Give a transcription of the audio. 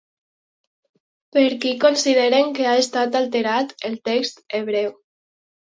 Per qui consideren que ha estat alterat el text hebreu?